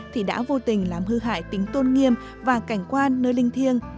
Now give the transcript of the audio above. thì đã vô tình làm hư hại tính tôn nghiêm và cảnh quan nơi linh thiêng